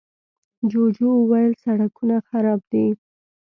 جوجو وويل، سړکونه خراب دي.